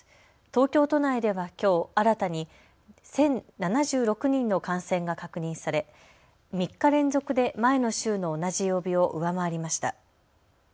東京都内ではきょう新たに１０７６人の感染が確認され３日連続で前の週の同じ曜日を上回りました。